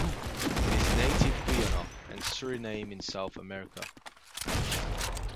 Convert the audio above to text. It is native Guyana and Suriname in South America.